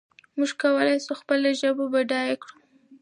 موږ کولای شو خپله ژبه بډایه کړو.